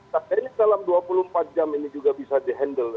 tapi dalam dua puluh empat jam ini juga bisa di handle